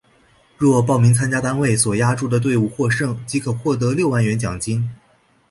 若报名参加单位所押注的队伍获胜即可获得六万元奖金。